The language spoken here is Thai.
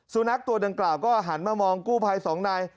สุนัขตัวดังกล่าวก็หันมามองกู้ภัยสองนาย